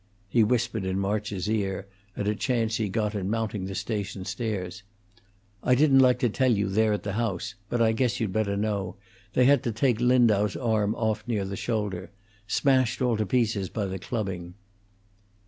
He whispered in March's ear, at a chance he got in mounting the station stairs: "I didn't like to tell you there at the house, but I guess you'd better know. They had to take Lindau's arm off near the shoulder. Smashed all to pieces by the clubbing."